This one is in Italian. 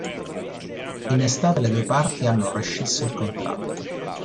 In estate le due parti hanno rescisso il contratto.